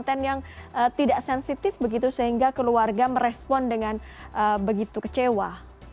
konten yang tidak sensitif begitu sehingga keluarga merespon dengan begitu kecewa